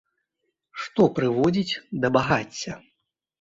Што прыводзіць да багацця?